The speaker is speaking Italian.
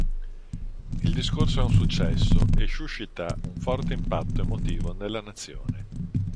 Il discorso è un successo e suscita un forte impatto emotivo nella nazione.